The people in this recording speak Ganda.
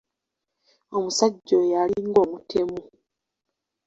Omusajja oyo alinga omutemu!